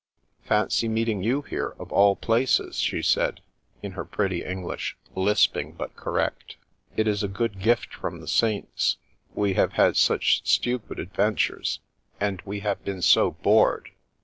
" Fancy meeting you here, of all places !" she said, in her pretty English, lisping but correct. " It is a good gift from the saints. We have had such stupid adventures, and we have been so bored.''